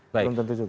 belum tentu juga